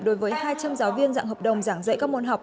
đối với hai trăm linh giáo viên dạng hợp đồng giảng dạy các môn học